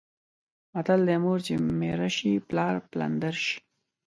متل دی: مور چې میره شي پلار پلندر شي.